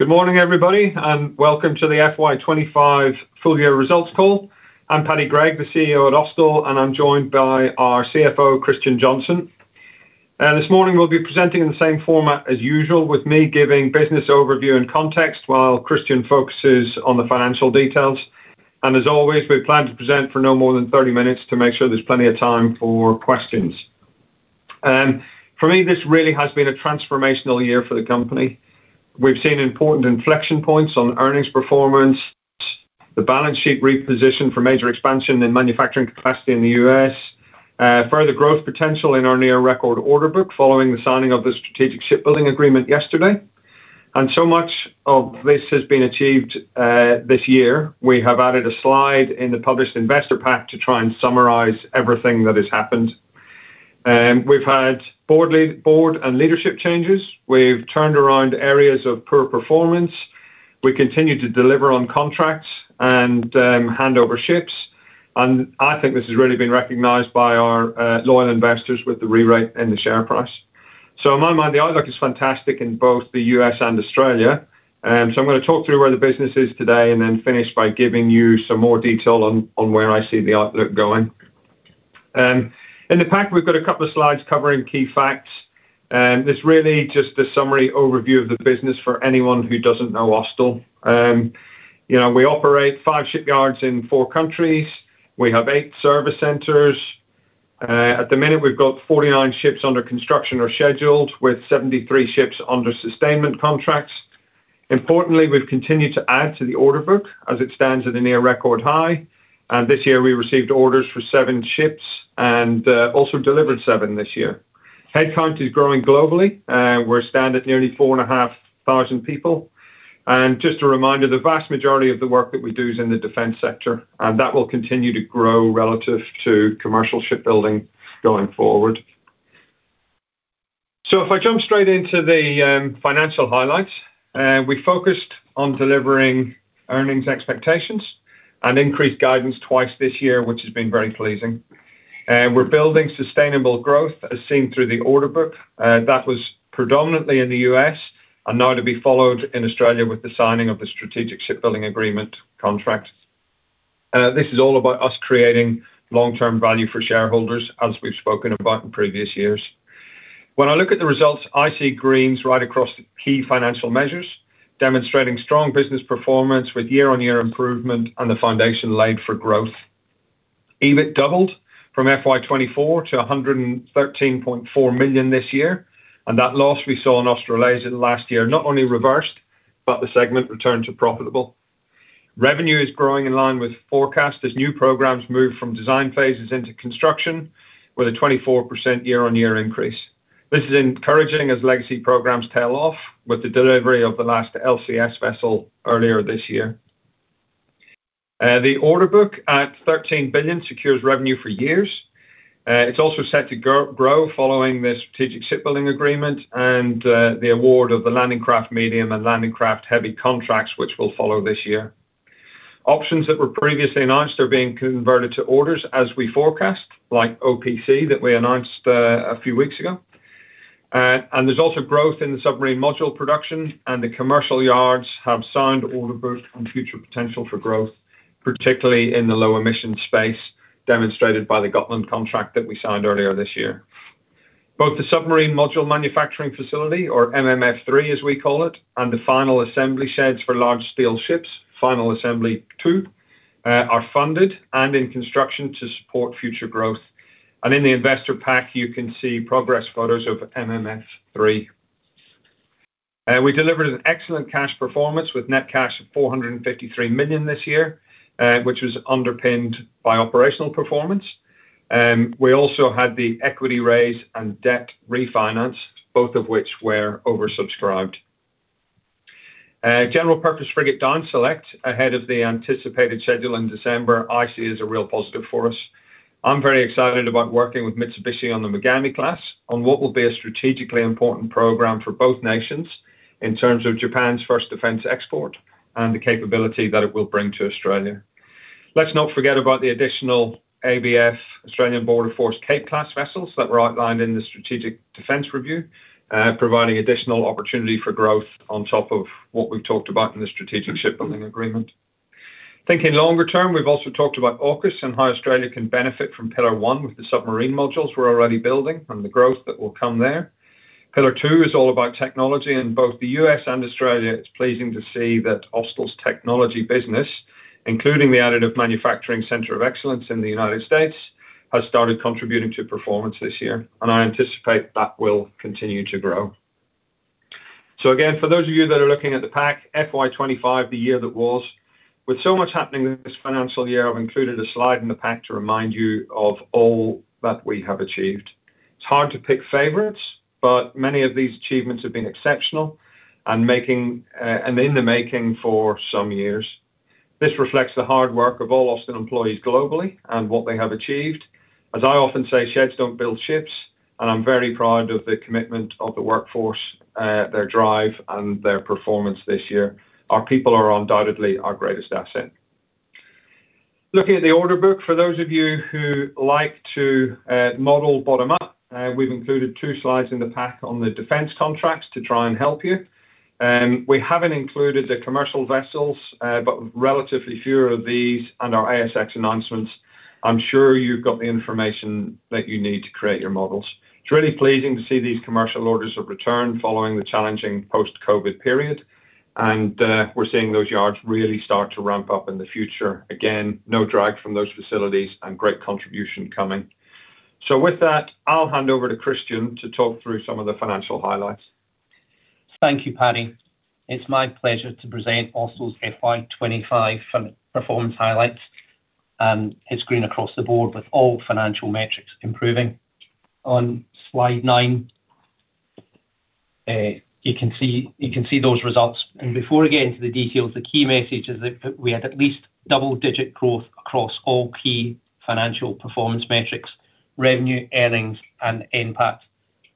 Good morning, everybody, and welcome to the FY25 Full-Year Results Call. I'm Paddy Gregg, the CEO at Austal, and I'm joined by our CFO, Christian Johnstone. This morning, we'll be presenting in the same format as usual, with me giving business overview and context, while Christian focuses on the financial details. As always, we plan to present for no more than 30 minutes to make sure there's plenty of time for questions. For me, this really has been a transformational year for the company. We've seen important inflection points on earnings performance, the balance sheet repositioned for major expansion in manufacturing capacity in the U.S., further growth potential in our near-record order book following the signing of the Strategic Shipbuilding Agreement yesterday. Much of this has been achieved this year. We have added a slide in the published investor pack to try and summarize everything that has happened. We've had board and leadership changes. We've turned around areas of poor performance. We continue to deliver on contracts and hand over ships. I think this has really been recognized by our loyal investors with the re-rate and the share price. In my mind, the outlook is fantastic in both the U.S. and Australia. I'm going to talk through where the business is today and then finish by giving you some more detail on where I see the outlook going. In the pack, we've got a couple of slides covering key facts. It's really just a summary overview of the business for anyone who doesn't know Austal. We operate five shipyards in four countries. We have eight service centers. At the minute, we've got 49 ships under construction or scheduled, with 73 ships under sustainment contracts. Importantly, we've continued to add to the order book as it stands at a near-record high. This year, we received orders for seven ships and also delivered seven this year. Headcount is growing globally. We're standing at nearly 4,500 people. Just a reminder, the vast majority of the work that we do is in the defense sector, and that will continue to grow relative to commercial shipbuilding going forward. If I jump straight into the financial highlights, we focused on delivering earnings expectations and increased guidance twice this year, which has been very pleasing. We're building sustainable growth as seen through the order book. That was predominantly in the U.S. and now to be followed in Australia with the signing of the Strategic Shipbuilding Agreement contract. This is all about us creating long-term value for shareholders, as we've spoken about in previous years. When I look at the results, I see greens right across the key financial measures, demonstrating strong business performance with year-on-year improvement and the foundation laid for growth. EBIT even doubled from FY24 to 113.4 million this year, and that loss we saw in Australasia last year not only reversed, but the segment returned to profitable. Revenue is growing in line with forecast as new programs move from design phases into construction, with a 24% year-on-year increase. This is encouraging as legacy programs tail off, with the delivery of the last LCS vessel earlier this year. The order book at 13 billion secures revenue for years. It's also set to grow following the Strategic Shipbuilding Agreement and the award of the Landing Craft Medium and Landing Craft Heavy contracts, which will follow this year. Options that were previously announced are being converted to orders as we forecast, like OPC that we announced a few weeks ago. There's also growth in the submarine module production, and the commercial yards have signed order books on future potential for growth, particularly in the low emissions space, demonstrated by the Gotland contract that we signed earlier this year. Both the submarine module manufacturing facility, or MMF3 as we call it, and the final assembly sheds for large steel ships, final assembly two, are funded and in construction to support future growth. In the investor pack, you can see progress photos of MMF3. We delivered an excellent cash performance with net cash of 453 million this year, which was underpinned by operational performance. We also had the equity raise and debt refinance, both of which were oversubscribed. General purpose frigate Diane Select, ahead of the anticipated schedule in December, I see as a real positive for us. I'm very excited about working with Mitsubishi on the Mogami class on what will be a strategically important program for both nations in terms of Japan's first defense export and the capability that it will bring to Australia. Let's not forget about the additional ABF, Australian Border Force Cape Class vessels that were outlined in the Strategic Defense Review, providing additional opportunity for growth on top of what we've talked about in the Strategic Shipbuilding Agreement. Thinking longer term, we've also talked about AUKUS and how Australia can benefit from Pillar 1 with the submarine modules we're already building and the growth that will come there. Pillar 2 is all about technology, and both the U.S. and Australia are pleased to see that Austal's technology business, including the Advanced Manufacturing Center of Excellence in the U.S., has started contributing to performance this year, and I anticipate that will continue to grow. For those of you that are looking at the pack, FY2025, the year that was, with so much happening this financial year, I've included a slide in the pack to remind you of all that we have achieved. It's hard to pick favorites, but many of these achievements have been exceptional and in the making for some years. This reflects the hard work of all Austal employees globally and what they have achieved. As I often say, sheds don't build ships, and I'm very proud of the commitment of the workforce, their drive, and their performance this year. Our people are undoubtedly our greatest asset looking at the order book. For those of you who like to model bottom up, we've included two slides in the pack on the defense contracts to try and help you. We haven't included the commercial vessels, but relatively fewer of these and our ASX announcements. I'm sure you've got the information that you need to create your models. It's really pleasing to see these commercial orders have returned following the challenging post-COVID period, and we're seeing those yards really start to ramp up in the future. No drag from those facilities and great contribution coming. With that, I'll hand over to Christian to talk through some of the financial highlights. Thank you, Paddy. It's my pleasure to present Austal's FY25 performance highlights and it's green across the board with all financial metrics improving. On slide nine, you can see those results. Before we get into the details, the key message is that we had at least double-digit growth across all key financial performance metrics, revenue, earnings, and impact,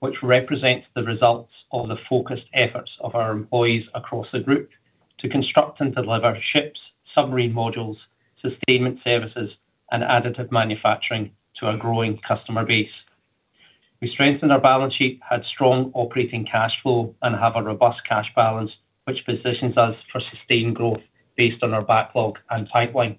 which represents the results of the focused efforts of our employees across the group to construct and deliver ships, submarine modules, sustainment services, and additive manufacturing to our growing customer base. We strengthened our balance sheet, had strong operating cash flow, and have a robust cash balance, which positions us for sustained growth based on our backlog and pipeline.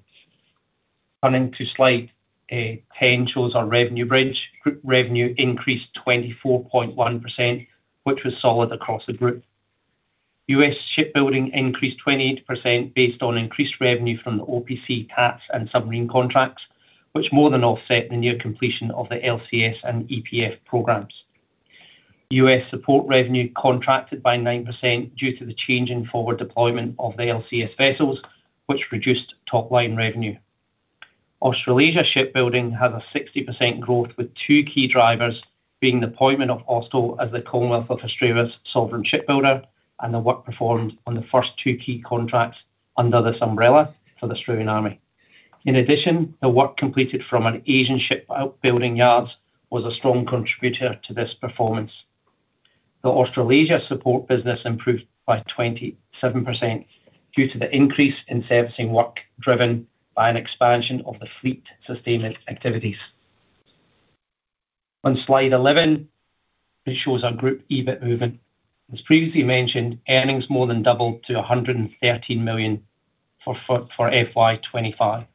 Turning to slide 10, shows our revenue range. Group revenue increased 24.1%, which was solid across the group. U.S. shipbuilding increased 28% based on increased revenue from the OPC, CAS, and submarine contracts, which more than offset the near completion of the LCS and EPF programs. U.S. support revenue contracted by 9% due to the change in forward deployment of the LCS vessels, which reduced top line revenue. Australasia shipbuilding had a 60% growth with two key drivers being the deployment of Austal as the Commonwealth of Australia's sovereign shipbuilder and the work performed on the first two key contracts under this umbrella for the Australian Army. In addition, the work completed from an Asian shipbuilding yard was a strong contributor to this performance. The Australasia support business improved by 27% due to the increase in servicing work driven by an expansion of the fleet sustainment activities. On slide 11, it shows our group EBIT movement. As previously mentioned, earnings more than doubled to 113 million for FY25.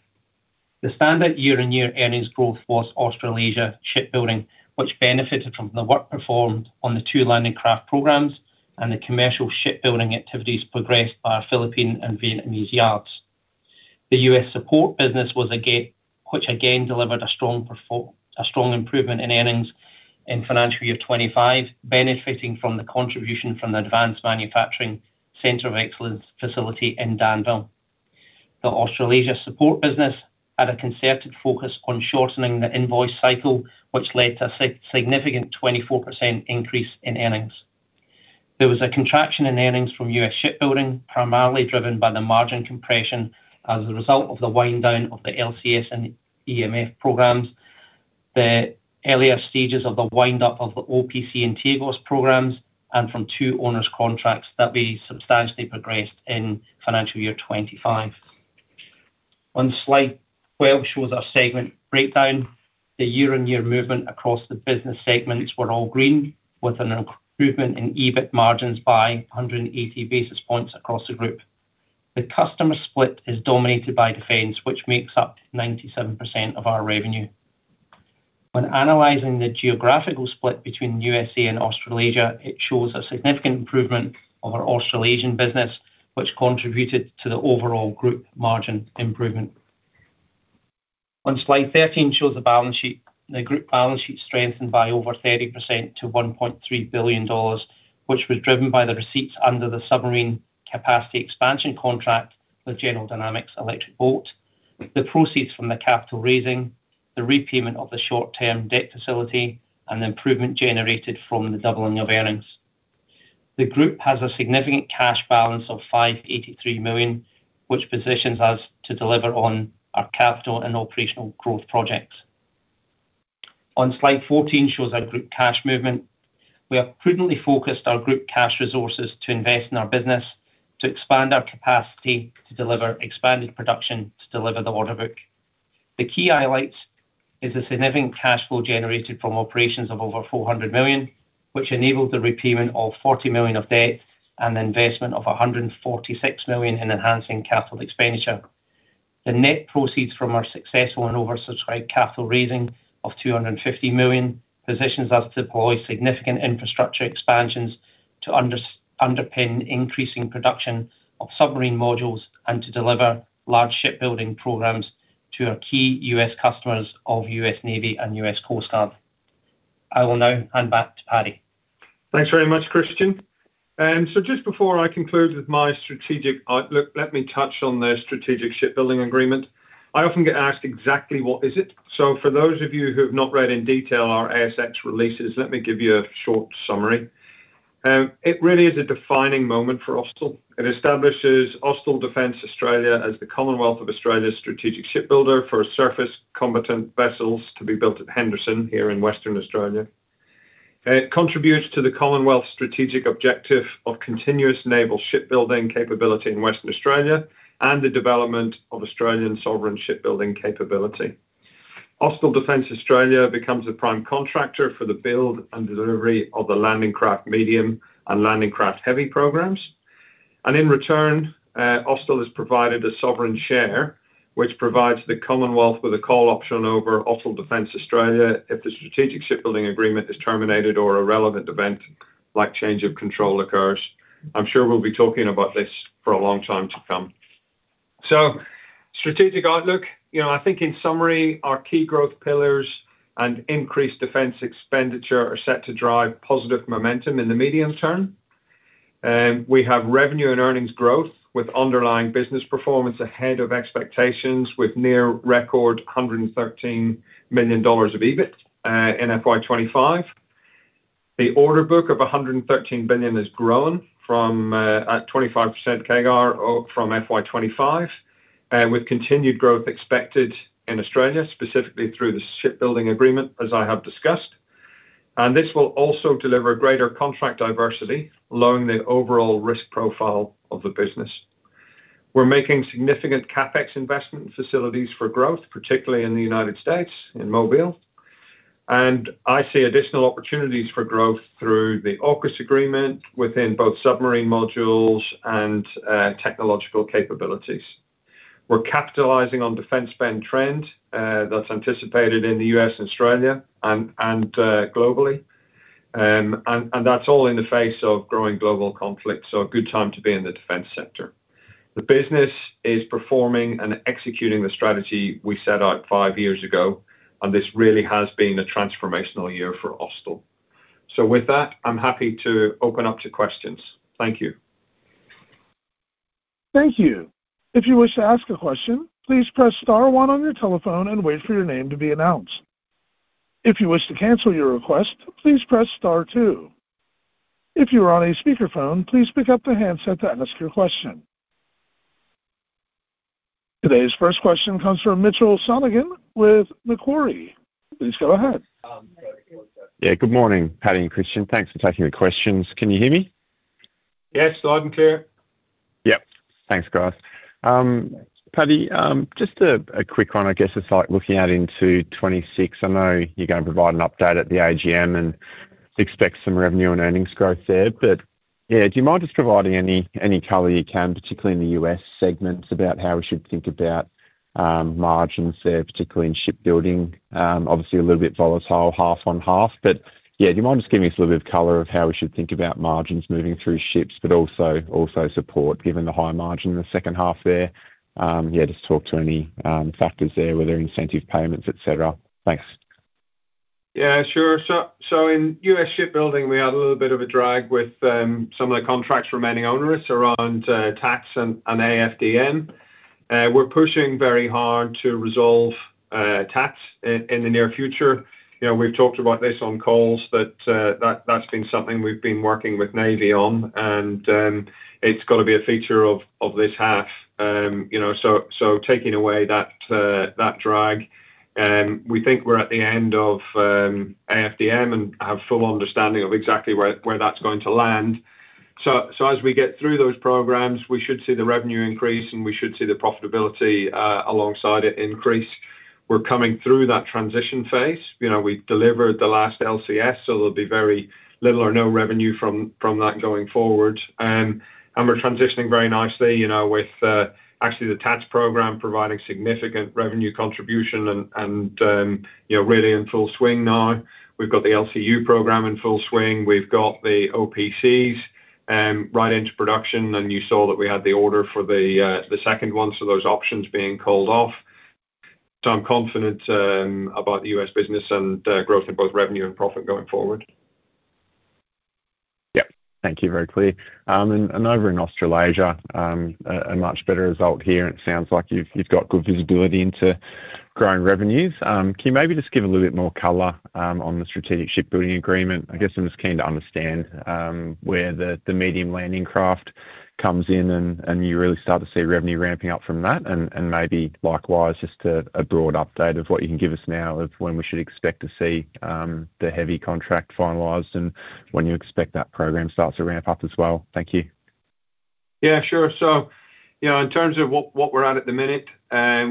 The standard year-on-year earnings growth was Australasia shipbuilding, which benefited from the work performed on the two Landing Craft programs and the commercial shipbuilding activities progressed by our Philippine and Vietnamese yards. The U.S. support business was a gap, which again delivered a strong improvement in earnings in financial year 2025, benefiting from the contribution from the Advanced Manufacturing Center of Excellence facility in Danville. The Australasia support business had a concerted focus on shortening the invoice cycle, which led to a significant 24% increase in earnings. There was a contraction in earnings from U.S. shipbuilding, primarily driven by the margin compression as a result of the wind-down of the LCS and EMF programs, the earlier stages of the wind-up of the OPC and T-AGOS programs, and from two owners' contracts that we substantially progressed in financial year 2025. On slide 12 shows our segment breakdown. The year-on-year movement across the business segments were all green, with an improvement in EBIT margins by 180 basis points across the group. The customer split is dominated by defense, which makes up 97% of our revenue. When analyzing the geographical split between the U.S. and Australasia, it shows a significant improvement of our Australasian business, which contributed to the overall group margin improvement. On slide 15 shows the balance sheet. The group balance sheet strengthened by over 30% to 1.3 billion dollars, which was driven by the receipts under the submarine capacity expansion contract with General Dynamics Electric Boat, the proceeds from the capital raising, the repayment of the short-term debt facility, and the improvement generated from the doubling of earnings. The group has a significant cash balance of 583 million, which positions us to deliver on our capital and operational growth projects. On slide 14 shows our group cash movement. We have prudently focused our group cash resources to invest in our business, to expand our capacity, to deliver expanded production, to deliver the order book. The key highlights are the significant cash flow generated from operations of over 400 million, which enabled the repayment of 40 million of debt and the investment of 146 million in enhancing capital expenditure. The net proceeds from our successful and oversubscribed capital raising of 250 million positions us to deploy significant infrastructure expansions to underpin increasing production of submarine modules and to deliver large shipbuilding programs to our key U.S. customers of U.S. Navy and U.S. Coast Guard. I will now hand back to Paddy. Thanks very much, Christian. Just before I conclude with my strategic outlook, let me touch on the Strategic Shipbuilding Agreement. I often get asked exactly what it is. For those of you who have not read in detail our ASX releases, let me give you a short summary. It really is a defining moment for Austal. It establishes Austal Defense Australia as the Commonwealth of Australia's strategic shipbuilder for surface combatant vessels to be built at Henderson here in Western Australia. It contributes to the Commonwealth's strategic objective of continuous naval shipbuilding capability in Western Australia and the development of Australian sovereign shipbuilding capability. Austal Defense Australia becomes the prime contractor for the build and delivery of the Landing Craft Medium and Landing Craft Heavy programs. In return, Austal is provided a sovereign share, which provides the Commonwealth with a call option over Austal Defense Australia if the Strategic Shipbuilding Agreement is terminated or a relevant event like change of control occurs. I'm sure we'll be talking about this for a long time to come. Strategic outlook, in summary, our key growth pillars and increased defense expenditure are set to drive positive momentum in the medium term. We have revenue and earnings growth with underlying business performance ahead of expectations with near record 113 million dollars of EBIT in FY2025. The order book of 113 billion has grown at 25% CAGR from FY2025 with continued growth expected in Australia, specifically through the Shipbuilding Agreement, as I have discussed. This will also deliver greater contract diversity, lowering the overall risk profile of the business. We're making significant CapEx investment facilities for growth, particularly in the United States in Mobile. I see additional opportunities for growth through the AUKUS agreement within both submarine modules and technological capabilities. We're capitalizing on defense spend trend that's anticipated in the United States and Australia and globally. That is all in the face of growing global conflicts. It is a good time to be in the defense sector. The business is performing and executing the strategy we set out five years ago. This really has been a transformational year for Austal. With that, I'm happy to open up to questions. Thank you. Thank you. If you wish to ask a question, please press star one on your telephone and wait for your name to be announced. If you wish to cancel your request, please press star two. If you are on a speakerphone, please pick up the handset to ask your question. Today's first question comes from Mitchell Sonogan with Macquarie. Please go ahead. Good morning, Paddy and Christian. Thanks for taking the questions. Can you hear me? Yes, loud and clear. Yep, thanks guys. Paddy, just a quick one. I guess it's like looking at into 2026. I know you're going to provide an update at the AGM and expect some revenue and earnings growth there. Do you mind just providing any color you can, particularly in the US segment about how we should think about margins there, particularly in shipbuilding? Obviously, a little bit volatile, half on half. Do you mind just giving us a little bit of color of how we should think about margins moving through ships, but also support given the high margin in the second half there? Just talk to any factors there, whether incentive payments, etc. Thanks. Yeah, sure. In U.S. shipbuilding, we have a little bit of a drag with some of the contracts remaining onerous around T-ATS and AFDM. We're pushing very hard to resolve T-ATS in the near future. You know, we've talked about this on calls, but that's been something we've been working with the U.S. Navy on. It's got to be a feature of this half. Taking away that drag, we think we're at the end of AFDM and have full understanding of exactly where that's going to land. As we get through those programs, we should see the revenue increase and we should see the profitability alongside it increase. We're coming through that transition phase. We delivered the last LCS, so there'll be very little or no revenue from that going forward. We're transitioning very nicely, with actually the T-ATS program providing significant revenue contribution and really in full swing now. We've got the LCU program in full swing. We've got the OPC right into production. You saw that we had the order for the second one, so those options being called off. I'm confident about the U.S. business and growth in both revenue and profit going forward. Thank you, very clear. Over in Australasia, a much better result here. It sounds like you've got good visibility into growing revenues. Can you maybe just give a little bit more color on the Strategic Shipbuilding Agreement? I guess I'm just keen to understand where the Landing Craft Medium comes in and you really start to see revenue ramping up from that. Likewise, just a broad update of what you can give us now of when we should expect to see the Landing Craft Heavy contract finalized and when you expect that program starts to ramp up as well. Thank you. Yeah, sure. In terms of what we're at at the minute,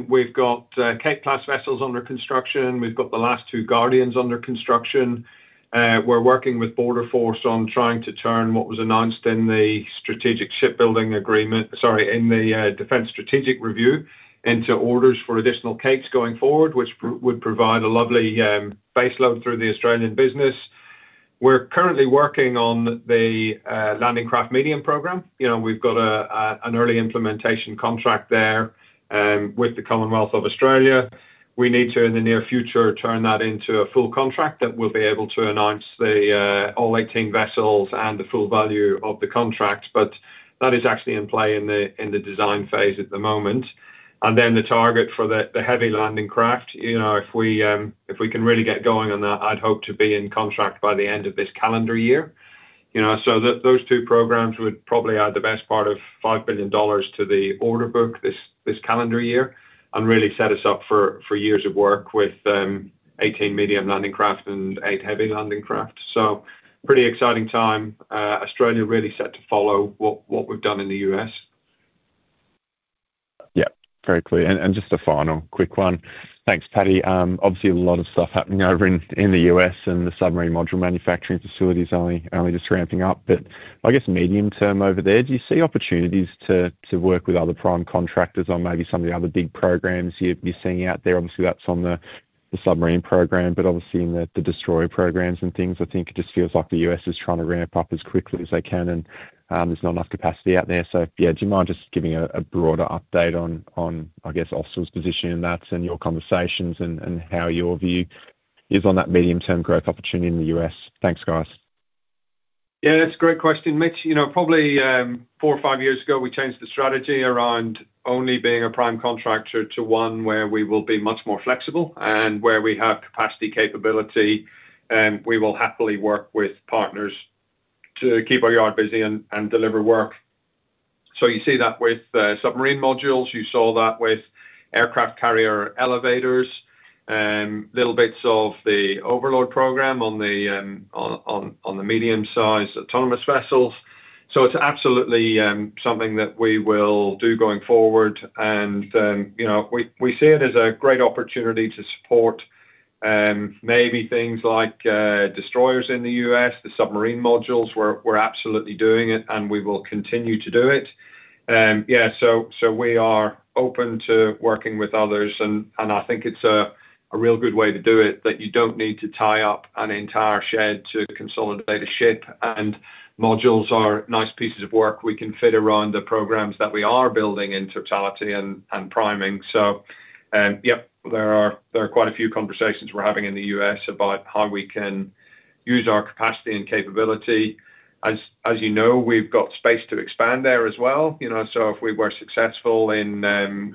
we've got Cape Class vessels under construction. We've got the last two Guardian-class patrol boats under construction. We're working with Border Force on trying to turn what was announced in the Strategic Shipbuilding Agreement, sorry, in the Defense Strategic Review, into orders for additional Capes going forward, which would provide a lovely baseload through the Australian business. We're currently working on the Landing Craft Medium program. We've got an early implementation contract there with the Commonwealth of Australia. We need to, in the near future, turn that into a full contract that we'll be able to announce all 18 vessels and the full value of the contract. That is actually in play in the design phase at the moment. The target for the Heavy Landing Craft, if we can really get going on that, I'd hope to be in contract by the end of this calendar year. Those two programs would probably add the best part of 5 billion dollars to the order book this calendar year and really set us up for years of work with 18 medium landing craft and eight heavy landing craft. Pretty exciting time. Australia really set to follow what we've done in the US. Yeah, very clear. Just a final quick one. Thanks, Paddy. Obviously, a lot of stuff happening over in the U.S. and the submarine module fabrication and outfitting facility is only just ramping up. I guess medium term over there, do you see opportunities to work with other primes on maybe some of the other big programs you're seeing out there? Obviously, that's on the submarine program, but in the destroyer programs and things, I think it just feels like the U.S. is trying to ramp up as quickly as they can and there's not enough capacity out there. Do you mind just giving a broader update on, I guess, Austal's position in that and your conversations and how your view is on that medium-term growth opportunity in the US? Thanks, guys. Yeah, that's a great question, Mitch. Probably four or five years ago, we changed the strategy around only being a prime contractor to one where we will be much more flexible and where we have capacity, capability, and we will happily work with partners to keep our yard busy and deliver work. You see that with submarine modules. You saw that with aircraft carrier elevators, little bits of the overload program on the medium-sized autonomous vessels. It's absolutely something that we will do going forward. We see it as a great opportunity to support maybe things like destroyers in the U.S., the submarine modules. We're absolutely doing it and we will continue to do it. We are open to working with others. I think it's a real good way to do it that you don't need to tie up an entire shed to consolidate a ship. Modules are nice pieces of work we can fit around the programs that we are building in totality and priming. There are quite a few conversations we're having in the U.S. about how we can use our capacity and capability. As you know, we've got space to expand there as well. If we were successful in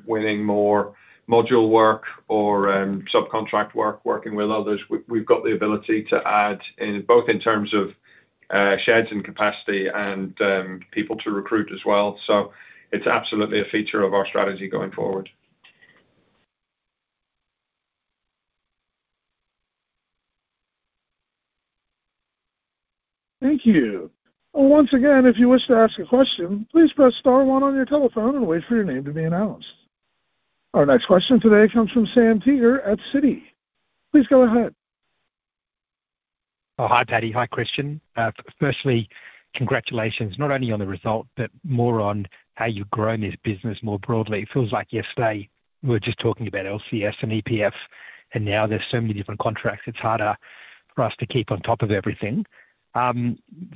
winning more module work or subcontract work, working with others, we've got the ability to add in both in terms of sheds and capacity and people to recruit as well. It's absolutely a feature of our strategy going forward. Thank you. Once again, if you wish to ask a question, please press star one on your telephone and wait for your name to be announced. Our next question today comes from Sam Teeger at Citi. Please go ahead. Oh, hi Paddy. Hi, Christian. Firstly, congratulations not only on the result, but more on how you've grown this business more broadly. It feels like yesterday we were just talking about LCC and EPF, and now there's so many different contracts. It's harder for us to keep on top of everything.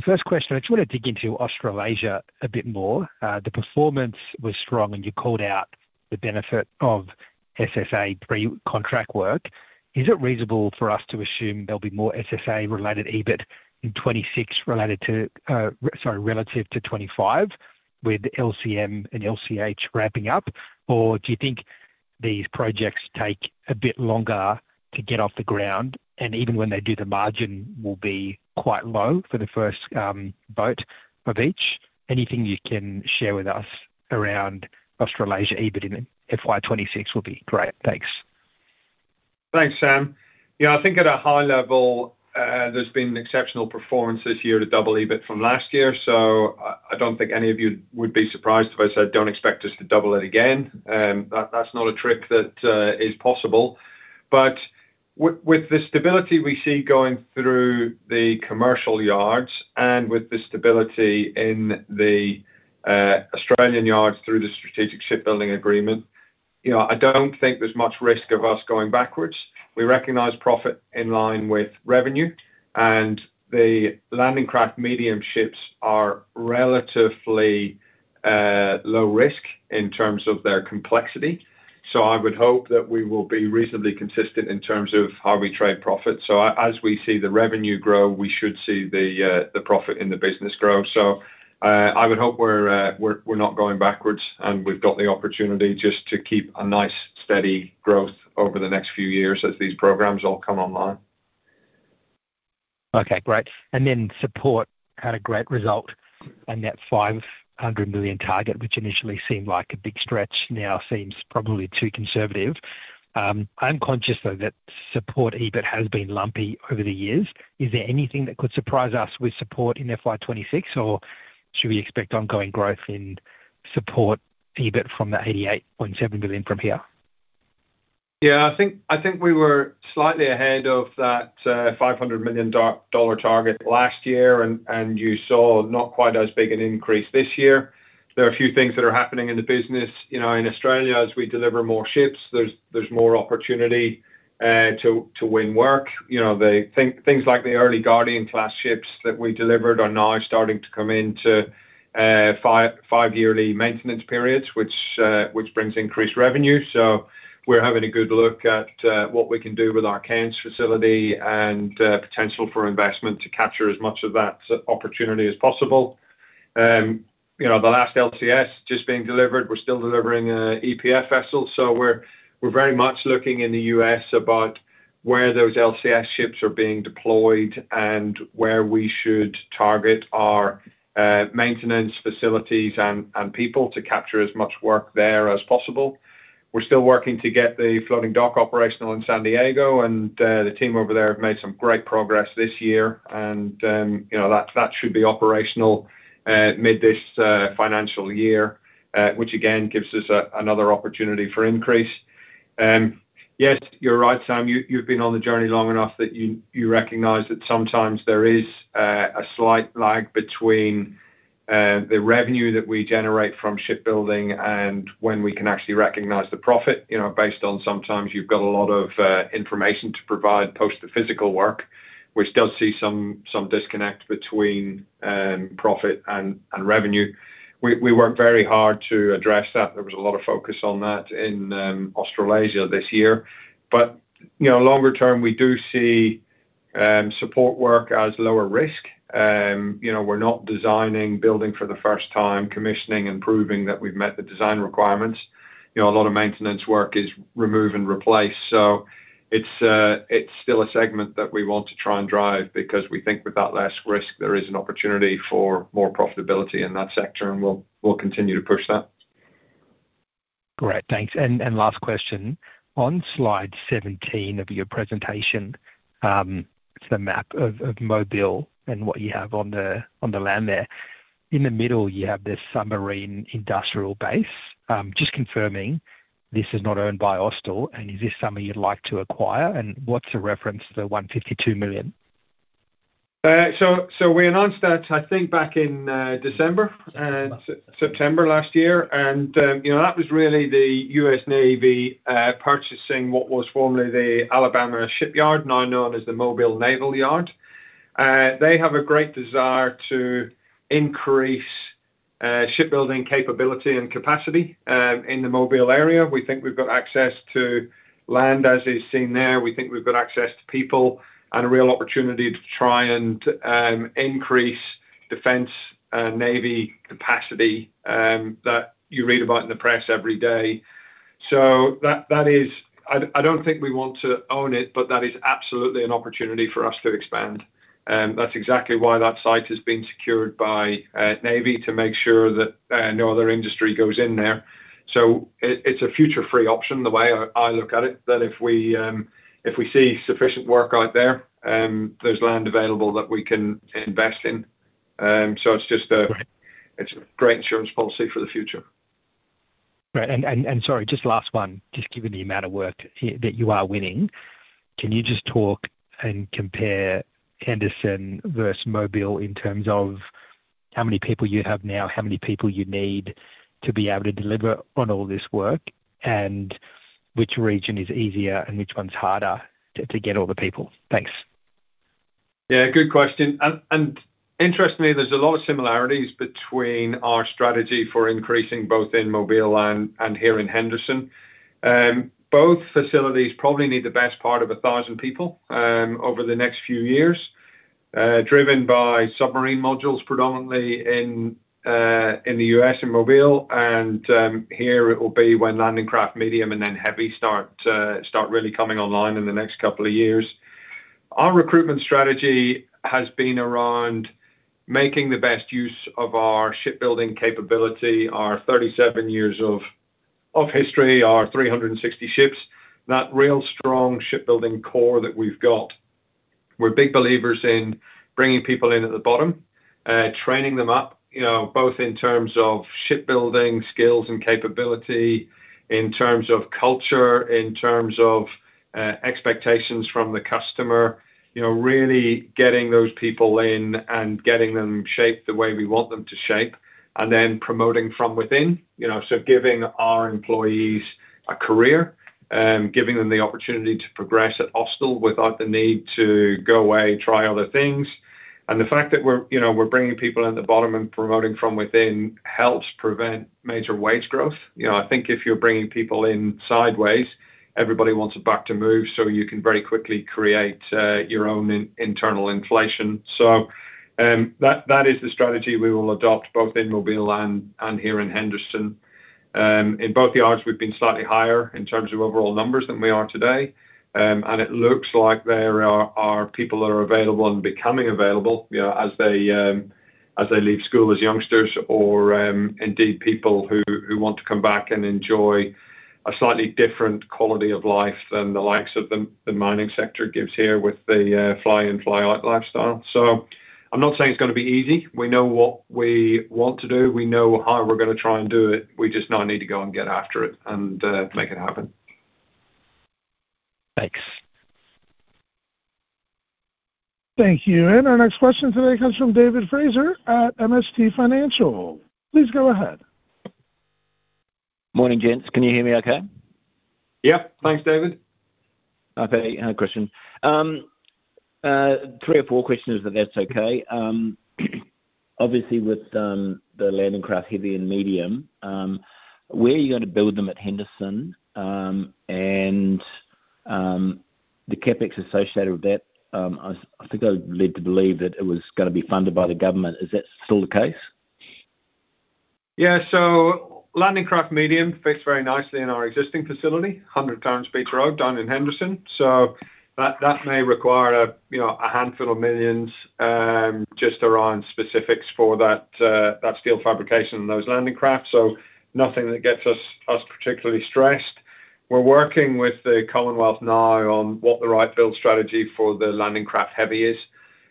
First question, I just want to dig into Australasia a bit more. The performance was strong, and you called out the benefit of SSA pre-contract work. Is it reasonable for us to assume there'll be more SSA-related EBIT in 2026 relative to 2025 with LCM and LCH ramping up? Do you think these projects take a bit longer to get off the ground? Even when they do, the margin will be quite low for the first boat of each. Anything you can share with us around Australasia EBIT in FY2026 would be great. Thanks. Thanks, Sam. Yeah, I think at a high level, there's been exceptional performance this year to double EBIT from last year. I don't think any of you would be surprised if I said don't expect us to double it again. That's not a trick that is possible. With the stability we see going through the commercial yards and with the stability in the Australian yards through the Strategic Shipbuilding Agreement, I don't think there's much risk of us going backwards. We recognize profit in line with revenue, and the Landing Craft Medium ships are relatively low risk in terms of their complexity. I would hope that we will be reasonably consistent in terms of how we trade profits. As we see the revenue grow, we should see the profit in the business grow. I would hope we're not going backwards and we've got the opportunity just to keep a nice steady growth over the next few years as these programs all come online. Okay, great. Support had a great result and that 500 million target, which initially seemed like a big stretch, now seems probably too conservative. I'm conscious though that support EBIT has been lumpy over the years. Is there anything that could surprise us with support in FY2026, or should we expect ongoing growth in support EBIT from the 88.7 million from here? Yeah, I think we were slightly ahead of that 500 million dollar target last year, and you saw not quite as big an increase this year. There are a few things that are happening in the business. In Australia, as we deliver more ships, there's more opportunity to win work. Things like the early Guardian-class ships that we delivered are now starting to come into five-yearly maintenance periods, which brings increased revenue. We're having a good look at what we can do with our Cairns facility and potential for investment to capture as much of that opportunity as possible. The last LCS just being delivered, we're still delivering EPF vessels. We're very much looking in the U.S. about where those LCS are being deployed and where we should target our maintenance facilities and people to capture as much work there as possible. We're still working to get the floating dock operational in San Diego, and the team over there have made some great progress this year. That should be operational mid this financial year, which again gives us another opportunity for increase. Yes, you're right, Sam. You've been on the journey long enough that you recognize that sometimes there is a slight lag between the revenue that we generate from shipbuilding and when we can actually recognize the profit. Based on sometimes you've got a lot of information to provide post the physical work, which does see some disconnect between profit and revenue. We worked very hard to address that. There was a lot of focus on that in Australasia this year. Longer term, we do see support work as lower risk. We're not designing, building for the first time, commissioning, and proving that we've met the design requirements. A lot of maintenance work is remove and replace. It's still a segment that we want to try and drive because we think with that less risk, there is an opportunity for more profitability in that sector, and we'll continue to push that. Great, thanks. Last question. On slide 17 of your presentation, it's the map of Mobile and what you have on the land there. In the middle, you have this submarine industrial base. Just confirming, this is not owned by Austal, and is this something you'd like to acquire? What's the reference to the 152 million? We announced that, I think, back in December, September last year. That was really the U.S. Navy purchasing what was formerly the Alabama shipyard, now known as the Mobile Naval Yard. They have a great desire to increase shipbuilding capability and capacity in the Mobile area. We think we've got access to land, as is seen there. We think we've got access to people and a real opportunity to try and increase defense and Navy capacity that you read about in the press every day. That is, I don't think we want to own it, but that is absolutely an opportunity for us to expand. That's exactly why that site has been secured by Navy to make sure that no other industry goes in there. It's a future-free option, the way I look at it, that if we see sufficient work out there, there's land available that we can invest in. It's just a great insurance policy for the future. Right, just last one. Just given the amount of work that you are winning, can you just talk and compare Henderson versus Mobile in terms of how many people you have now, how many people you need to be able to deliver on all this work, and which region is easier and which one's harder to get all the people? Thanks. Yeah, good question. Interestingly, there's a lot of similarities between our strategy for increasing both in Mobile and here in Henderson. Both facilities probably need the best part of 1,000 people over the next few years, driven by submarine modules predominantly in the U.S. and Mobile. Here it will be when Landing Craft Medium and then Heavy start really coming online in the next couple of years. Our recruitment strategy has been around making the best use of our shipbuilding capability, our 37 years of history, our 360 ships, that real strong shipbuilding core that we've got. We're big believers in bringing people in at the bottom, training them up, both in terms of shipbuilding skills and capability, in terms of culture, in terms of expectations from the customer, really getting those people in and getting them shaped the way we want them to shape, and then promoting from within. Giving our employees a career, giving them the opportunity to progress at Austal without the need to go away, try other things. The fact that we're bringing people in at the bottom and promoting from within helps prevent major wage growth. I think if you're bringing people in sideways, everybody wants a back to move, so you can very quickly create your own internal inflation. That is the strategy we will adopt both in Mobile and here in Henderson. In both the yards, we've been slightly higher in terms of overall numbers than we are today. It looks like there are people that are available and becoming available as they leave school as youngsters or indeed people who want to come back and enjoy a slightly different quality of life than the likes of the mining sector gives here with the fly-in, fly-out lifestyle. I'm not saying it's going to be easy. We know what we want to do. We know how we're going to try and do it. We just now need to go and get after it and make it happen. Thanks. Thank you. Our next question today comes from David Fraser at MST Financial. Please go ahead. Morning, James. Can you hear me okay? Yeah, thanks, David. Okay, Christian. Three or four questions if that's okay. Obviously, with the Landing Craft Heavy and Medium, where are you going to build them at Henderson? The CapEx associated with that, I think I was led to believe that it was going to be funded by the government. Is that still the case? Yeah, so Landing Craft Medium fits very nicely in our existing facility, 100 tons beach road down in Henderson. That may require a handful of millions just around specifics for that steel fabrication and those landing crafts. Nothing that gets us particularly stressed. We're working with the Commonwealth now on what the right build strategy for the Landing Craft Heavy is.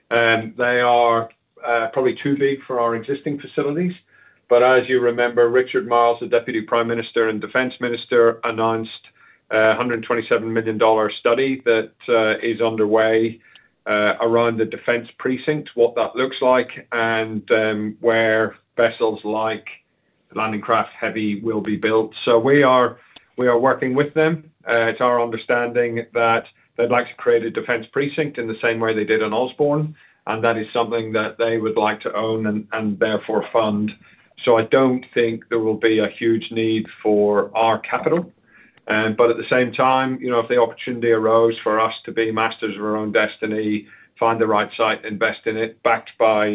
They are probably too big for our existing facilities. As you remember, Richard Marles, the Deputy Prime Minister and Defense Minister, announced a 127 million dollar study that is underway around the defense precinct, what that looks like, and where vessels like the Landing Craft Heavy will be built. We are working with them. It's our understanding that they'd like to create a defense precinct in the same way they did on Osborne. That is something that they would like to own and therefore fund. I don't think there will be a huge need for our capital. At the same time, if the opportunity arose for us to be masters of our own destiny, find the right site, invest in it backed by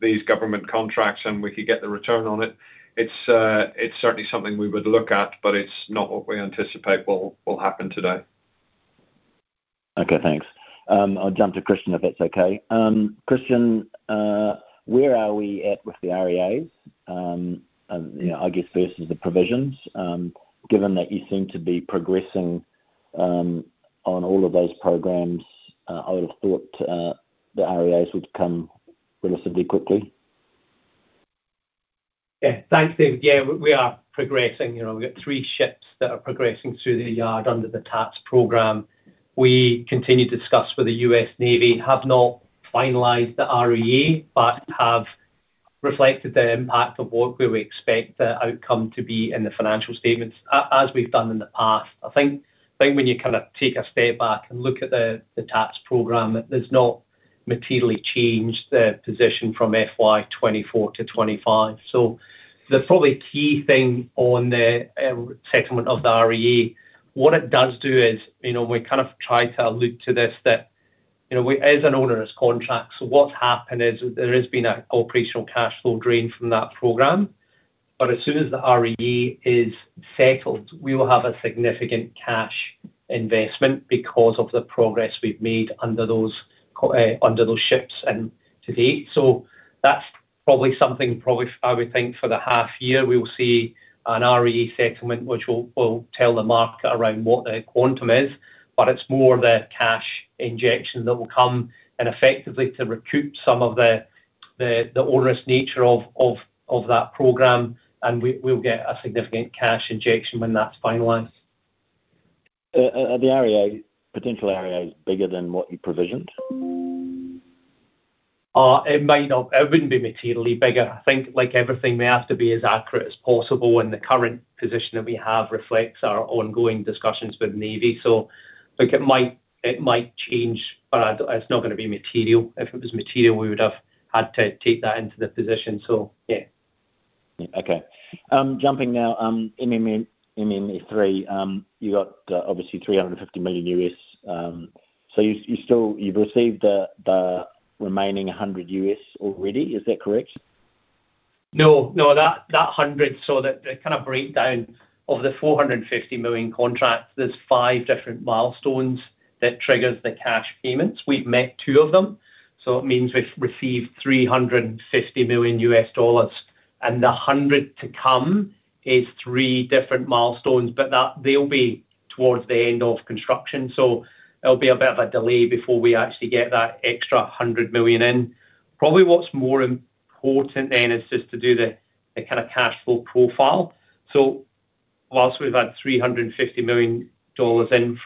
these government contracts, and we could get the return on it, it's certainly something we would look at, but it's not what we anticipate will happen today. Okay, thanks. I'll jump to Christian if it's okay. Christian, where are we at with the REAs? I guess first is the provisions. Given that you seem to be progressing on all of those programs, I would have thought the REAs would come relatively quickly. Yeah, thanks, David. Yeah, we are progressing. We've got three ships that are progressing through the yard under the T-ATS program. We continue to discuss with the U.S. Navy, have not finalized the REA, but have reflected the impact of what we would expect the outcome to be in the financial statements, as we've done in the past. I think when you kind of take a step back and look at the T-ATS program, it has not materially changed the position from FY2024 to FY2025. The probably key thing on the settlement of the REA, what it does do is, you know, we kind of tried to allude to this, that it is an onerous contract. What's happened is there has been an operational cash flow drain from that program. As soon as the REA is settled, we will have a significant cash investment because of the progress we've made under those ships and to date. That's probably something I would think for the half year we will see an REA settlement, which will tell the market around what the quantum is. It's more the cash injection that will come and effectively to recoup some of the onerous nature of that program. We'll get a significant cash injection when that's finalized. Are the REA potential REAs bigger than what you provisioned? It might not, it wouldn't be materially bigger. I think like everything, we have to be as accurate as possible. The current position that we have reflects our ongoing discussions with Navy. It might change, but it's not going to be material. If it was material, we would have had to take that into the position. Yeah. Okay. I'm jumping now. MMF3, you got obviously 350 million U.S. So you've received the remaining 100 million US already. Is that correct? No, no, that 100. So the kind of breakdown of the $450 million contract, there's five different milestones that trigger the cash payments. We've met two of them. It means we've received 350 million US dollars. The 100 to come is three different milestones, but they'll be towards the end of construction. It'll be a bit of a delay before we actually get that extra $100 million in. Probably what's more important then is just to do the kind of cash flow profile. Whilst we've had $350 million in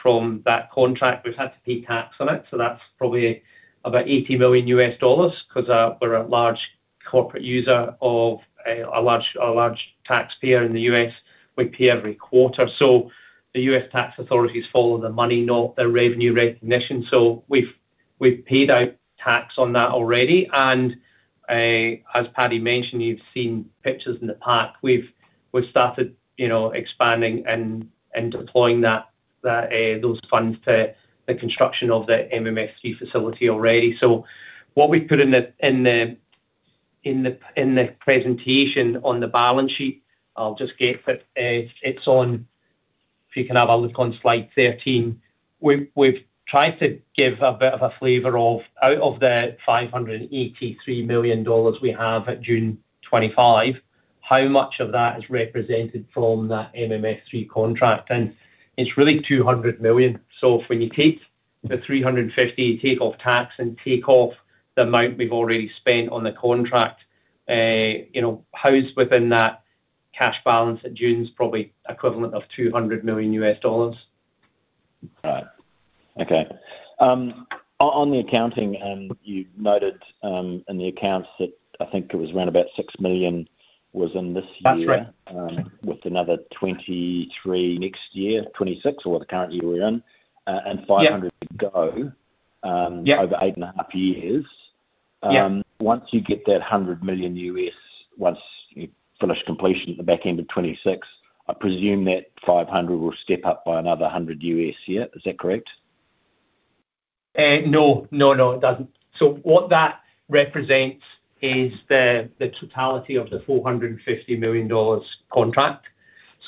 from that contract, we've had to pay tax on it. That's probably about 80 million US dollars because we're a large corporate user, a large taxpayer in the U.S. We pay every quarter. The U.S. tax authorities follow the money, not the revenue recognition. We've paid out tax on that already. As Paddy mentioned, you've seen pictures in the park. We've started expanding and deploying those funds to the construction of the MMSC facility already. What we've put in the presentation on the balance sheet, I'll just get it. It's on, if you can have a look on slide 13, we've tried to give a bit of a flavor of out of the $583 million we have at June 2025, how much of that is represented from that MMSC contract. It's really $200 million. If when you take the $350 million, you take off tax and take off the amount we've already spent on the contract, housed within that cash balance at June is probably equivalent of 200 million US dollars. Okay. On the accounting, you noted in the accounts that I think it was around about $6 million was in this year. That's right. With another 23 next year, 26 for the current year we're in, and $500 million to go over eight and a half years. Once you get that $100 million U.S., once you finish completion at the back end of 2026, I presume that $500 million will step up by another $100 million U.S. here. Is that correct? No, it doesn't. What that represents is the totality of the $450 million contract.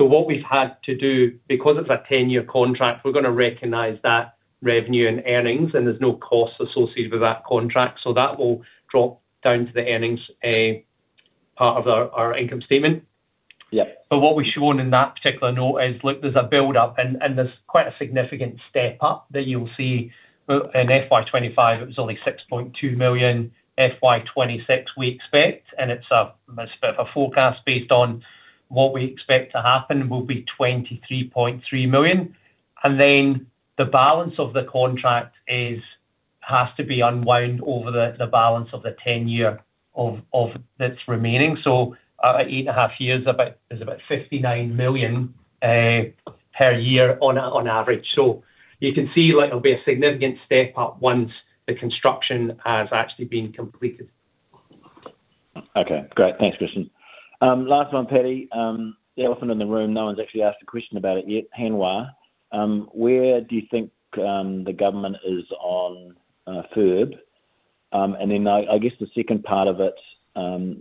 What we've had to do, because of a 10-year contract, we're going to recognize that revenue and earnings, and there's no cost associated with that contract. That will drop down to the earnings part of our income statement. Yeah. What we're showing in that particular note is, look, there's a build-up, and there's quite a significant step-up that you'll see. In FY2025, it was only $6.2 million. FY2026, we expect, and it's a bit of a forecast based on what we expect to happen, will be $23.3 million. The balance of the contract has to be unwound over the balance of the 10 years of its remaining. At eight and a half years, there's about $59 million per year on average. You can see it'll be a significant step up once the construction has actually been completed. Okay, great. Thanks, Christian. Last one, Paddy. There wasn't in the room. No one's actually asked a question about it yet. Where do you think the government is on FERB? I guess the second part of it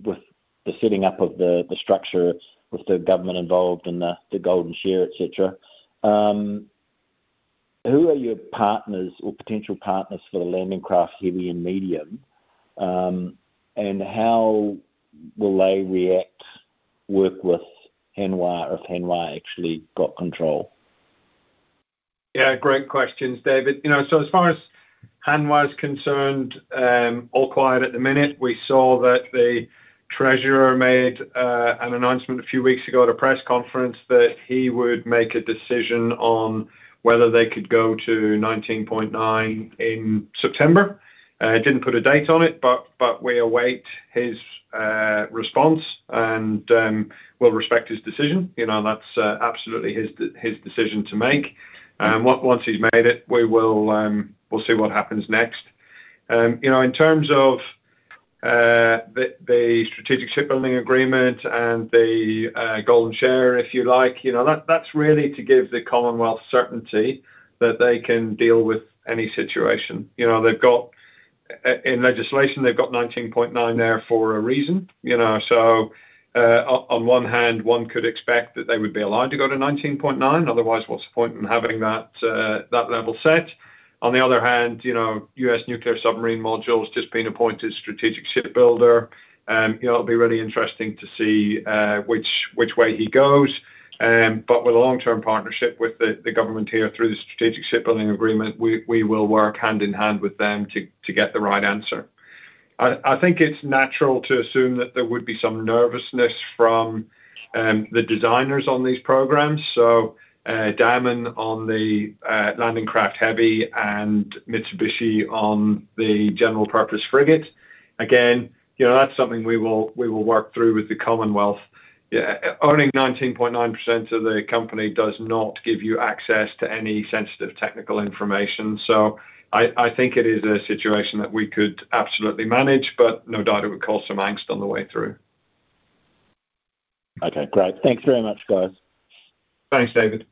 with the setting up of the structure with the government involved in the golden share, et cetera. Who are your partners or potential partners for the Landing Craft Heavy and Medium? How will they react, work with Hanwha, if Hanwha actually got control? Yeah, great questions, David. As far as Hanwha is concerned, all quiet at the minute. We saw that the Treasurer made an announcement a few weeks ago at a press conference that he would make a decision on whether they could go to 19.9% in September. He didn't put a date on it, but we await his response and will respect his decision. That's absolutely his decision to make. Once he's made it, we'll see what happens next. In terms of the Strategic Shipbuilding Agreement and the golden share, if you like, that's really to give the Commonwealth certainty that they can deal with any situation. They've got in legislation, they've got 19.9% there for a reason. On one hand, one could expect that they would be allowed to go to 19.9%. Otherwise, what's the point in having that level set? On the other hand, U.S. nuclear submarine modules just been appointed strategic shipbuilder. It'll be really interesting to see which way he goes. With a long-term partnership with the government here through the Strategic Shipbuilding Agreement, we will work hand in hand with them to get the right answer. I think it's natural to assume that there would be some nervousness from the designers on these programs. So Diamond on the Landing Craft Heavy and Mitsubishi on the general purpose frigate. Again, that's something we will work through with the Commonwealth. Earning 19.9% of the company does not give you access to any sensitive technical information. I think it is a situation that we could absolutely manage, but no doubt it would cause some angst on the way through. Okay, great. Thanks very much, guys. Thanks, David.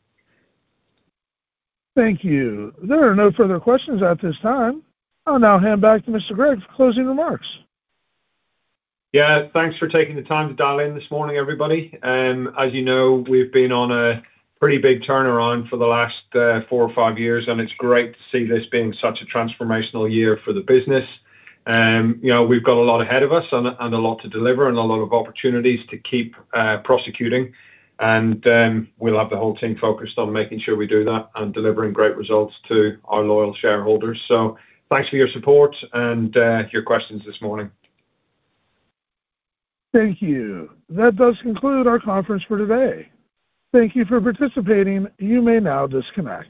Thank you. There are no further questions at this time. I'll now hand back to Mr. Gregg for closing remarks. Yeah, thanks for taking the time to dial in this morning, everybody. As you know, we've been on a pretty big turnaround for the last four or five years, and it's great to see this being such a transformational year for the business. We've got a lot ahead of us and a lot to deliver and a lot of opportunities to keep prosecuting. We'll have the whole team focused on making sure we do that and delivering great results to our loyal shareholders. Thanks for your support and your questions this morning. Thank you. That does conclude our conference for today. Thank you for participating. You may now disconnect.